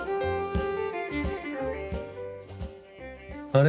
あれ？